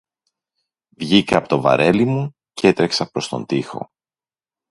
Βγήκα απ' το βαρέλι μου κι έτρεξα προς τον τοίχο